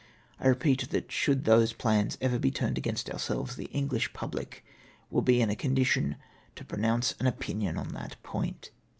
I repeat that should those plans ever be turned against ourselves, the English pubhc will be in a condition to pronounce an opinion on that point.